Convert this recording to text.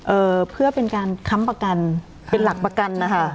เอ่อเพื่อเป็นการค้ำประกันเป็นหลักประกันนะคะ